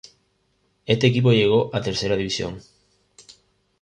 Este equipo llegó a Tercera División.